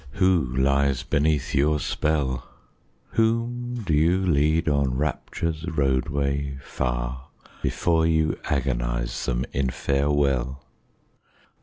Who lies beneath your spell? Whom do you lead on Rapture's roadway, far, Before you agonise them in farewell?